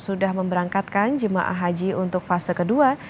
sudah memberangkatkan jemaah haji untuk fase kedua